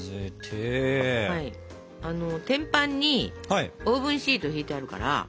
天板にオーブンシート敷いてあるから。